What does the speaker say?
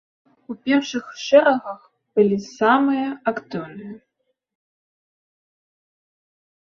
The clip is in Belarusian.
У першых шэрагах былі самыя актыўныя.